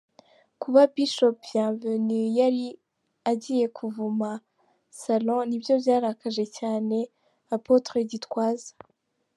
Kuba Bishop Bienvenue yari agiye kuvuma salon, ni byo byarakaje cyane Apotre Gitwaza.